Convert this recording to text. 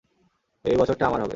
এই বছরটা আমার হবে।